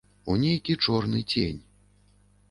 У нейкі чорны цень.